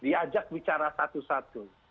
diajak bicara satu satu